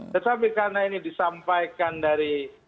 tetapi karena ini disampaikan dari